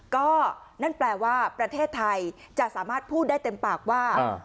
ก็นั่นแปลว่าประเทศไทยจะสามารถพูดได้เต็มปากว่า